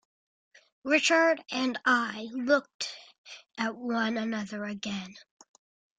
Richard and I looked at one another again.